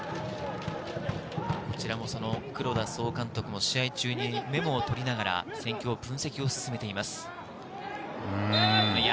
こちらも黒田総監督も試合中にメモをとりながら戦況を分析を進めています。